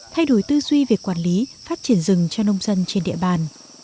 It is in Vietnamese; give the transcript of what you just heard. thay đổi tư duy về quản lý phát triển rừng cho nông dân trên địa bàn